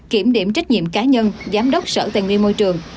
kiểm điểm trách nhiệm cá nhân giám đốc sở tài nguyên môi trường